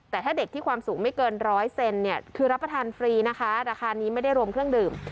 แต่ถ้าเด็กที่ความสูงไม่เกินร้อยเซนเนี่ยคือรับประทานฟรีนะคะราคานี้ไม่ได้รวมเครื่องดื่ม